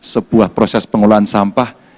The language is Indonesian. sebuah proses pengolahan sampah